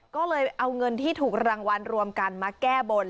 ก็เลยเอาเงินที่ถูกรางวัลรวมกันมาแก้บน